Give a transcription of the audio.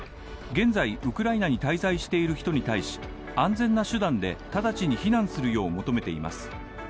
現在、ウクライナに滞在している人に対し安全な手段で直ちに避難するよう求めています。